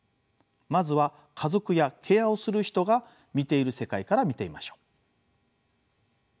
まずは家族やケアをする人が見ている世界から見てみましょう。